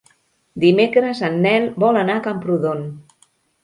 Dimecres en Nel vol anar a Camprodon.